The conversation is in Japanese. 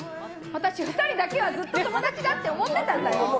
私、２人だけはずっと友達だって思ってたんだよ。